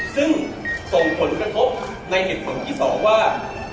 ซึ่งส่งผลกระทบในเหตุผลที่๒ว่า